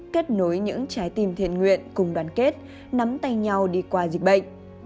kết nối những trái tim thiện nguyện cùng đoàn kết nắm tay nhau đi qua dịch bệnh